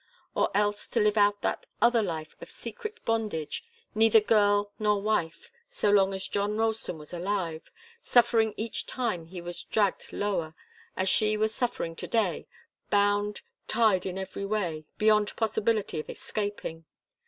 Or else to live out that other life of secret bondage, neither girl nor wife, so long as John Ralston was alive, suffering each time he was dragged lower, as she was suffering to day, bound, tied in every way, beyond possibility of escaping.